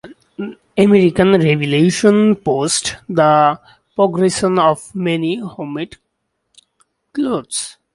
American revolution pushed the progression of many homemade cloths.